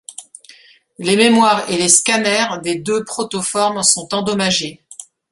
Les mémoires et les scanners des deux protoformes sont endommagés.